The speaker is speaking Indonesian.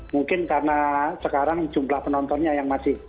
mungkin karena sekarang jumlah penontonnya yang masih